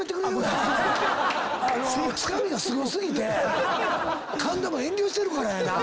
つかみがすご過ぎて神田も遠慮してるからやなぁ。